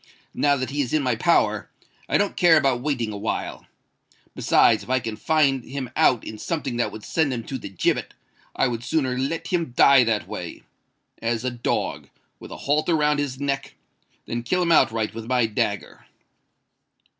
Now that he is in my power, I don't care about waiting a while. Besides, if I can find him out in something that would send him to the gibbet, I would sooner let him die that way—as a dog, with a halter round his neck—than kill him outright with my dagger."